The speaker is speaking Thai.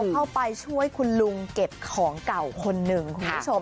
เข้าไปช่วยคุณลุงเก็บของเก่าคนหนึ่งคุณผู้ชม